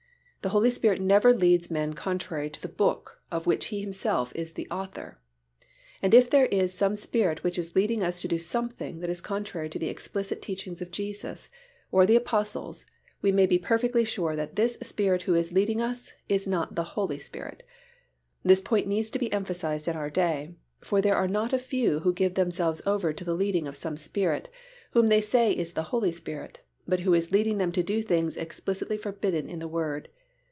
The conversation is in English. The Holy Spirit never leads men contrary to the Book of which He Himself is the Author. And if there is some spirit which is leading us to do something that is contrary to the explicit teachings of Jesus, or the Apostles, we may be perfectly sure that this spirit who is leading us is not the Holy Spirit. This point needs to be emphasized in our day, for there are not a few who give themselves over to the leading of some spirit, whom they say is the Holy Spirit, but who is leading them to do things explicitly forbidden in the Word.